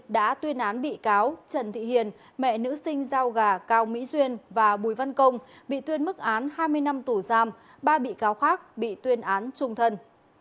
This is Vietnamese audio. đã tuyên án bị cáo trần thị hiền mẹ nữ sinh giao gà cao mỹ duyên và bùi văn công bị tuyên mức án hai mươi năm tù giam ba bị cáo khác bị tuyên án trung thân